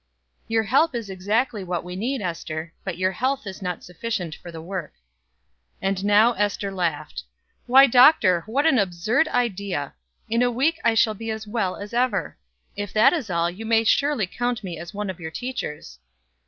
"Your help is exactly what we need, Ester, but your health is not sufficient for the work." And now Ester laughed. "Why, Doctor, what an absurd idea In a week I shall be as well as ever. If that is all you may surely count me as one of your teachers."